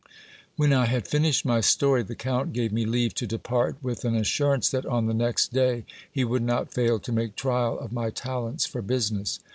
401 When I had finished my story, the count gave me leave to depart, with an assurance that on the next day he would not fail to make trial of my talents for business.